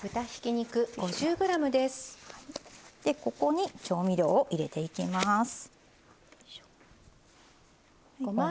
ここに調味料を入れていきます。